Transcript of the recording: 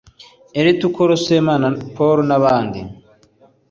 Lt Col Semana Paul n’abandi…